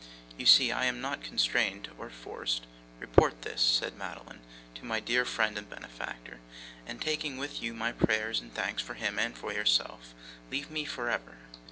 You see I am not constrained or forced. Report this,' said Madeline, 'to my dear friend and benefactor, and, taking with you my prayers and thanks for him and for yourself, leave me for ever!